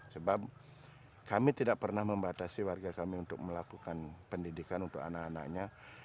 sebab kami tidak pernah membatasi warga kami untuk melakukan pendidikan untuk anak anaknya